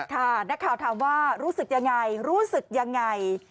ค่ะนักข่าวถามว่ารู้สึกอย่างไรรู้สึกอย่างไร